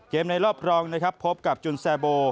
ในรอบรองนะครับพบกับจุนแซโบ